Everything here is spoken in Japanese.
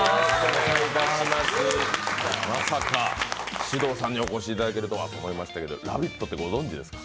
まさか獅童さんにお越しいただけるとはと思いましたが「ラヴィット！」って、ご存じですか？